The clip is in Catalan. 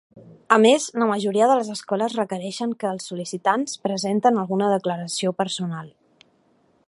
A més, la majoria de les escoles requereixen que els sol·licitants presenten alguna declaració personal.